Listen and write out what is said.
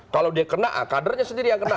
kalau dia kena kadernya sendiri yang kena